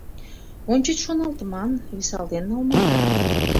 Ончыч шоналтыман, висалтен налман дыр.